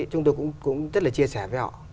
chúng tôi cũng rất là chia sẻ với họ